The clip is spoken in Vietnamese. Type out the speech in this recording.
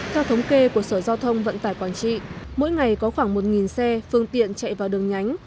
theo thống kê của sở giao thông vận tải quảng trị mỗi ngày có khoảng một xe phương tiện chạy vào đường nhánh